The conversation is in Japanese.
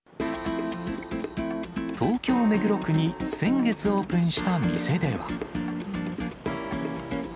東京・目黒区に先月オープンした店では。